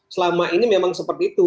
selama ini memang seperti itu